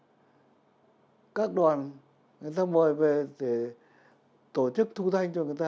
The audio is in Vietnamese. quanh năm này tháng là đi với các đoàn người ta mời về để tổ chức thu thanh cho người ta